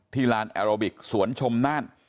ที่ลานแอโรบิคสวนชมนาน